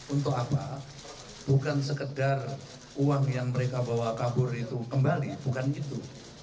untuk apa bukan sekedar uang yang mereka bawa kabur itu kembali bukan itu